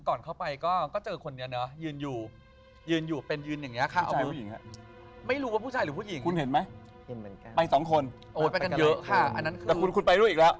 ก่อนเข้าไปก็เจอคนนี้เนอะยืนอยู่ยืนอยู่เป็นยืนอย่างนี้ค่ะ